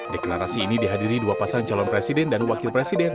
deklarasi ini dihadiri dua pasang calon presiden dan wakil presiden